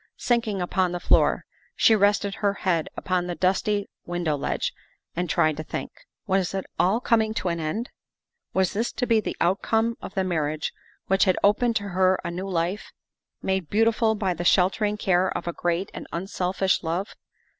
Sinking upon the floor, she rested her head upon the dusty window ledge and tried to think. Was it all THE SECRETARY OF STATE 169 coming to an end? Was this to be the outcome of the marriage which had opened to her a new life, made beautiful by the sheltering care of a great and unselfish love?